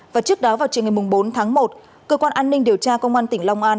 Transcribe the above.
và trước đó vào trường ngày bốn tháng một cơ quan an ninh điều tra công an tỉnh long an